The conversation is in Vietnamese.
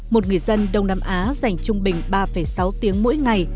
một người dân đông nam á dành trung bình ba sáu tiếng mỗi ngày